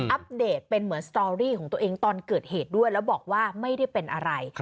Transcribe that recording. อัปเดตเป็นเหมือนสตอรี่ของตัวเองตอนเกิดเหตุด้วยแล้วบอกว่าไม่ได้เป็นอะไร